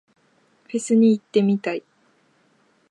フェスに行ってみたい。